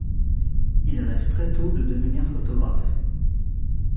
Il rêve très tôt de devenir photographe.